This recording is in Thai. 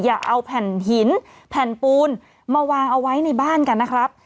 อย่าเอาแผ่นหินแผ่นปูนมาวางเอาไว้ในบ้านกันนะครับ